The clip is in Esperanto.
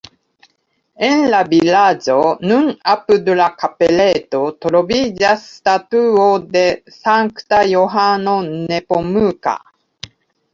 En la vilaĝo, nun apud la kapeleto, troviĝas statuo de Sankta Johano Nepomuka.